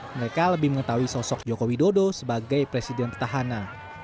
mereka lebih mengetahui sosok joko widodo sebagai presiden petahana